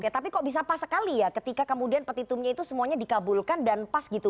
oke tapi kok bisa pas sekali ya ketika kemudian petitumnya itu semuanya dikabulkan dan pas gitu